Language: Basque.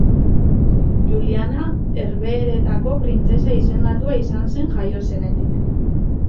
Juliana Herbehereetako printzesa izendatua izan zen jaio zenetik.